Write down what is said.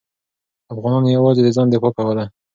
افغانانو یوازې د ځان دفاع کوله.